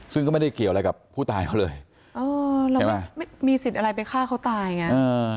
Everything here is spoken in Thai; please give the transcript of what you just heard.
ซึ่งก็ไม่ได้เกี่ยวอะไรกับผู้ตายเขาเลยอ๋อเราไม่มีสิทธิ์อะไรไปฆ่าเขาตายไงอ่า